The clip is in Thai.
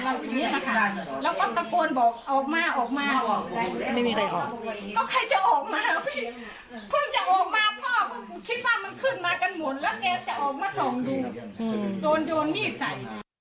แล้วเกฟจะออกมาส่องดูโดนโดนมีดใส่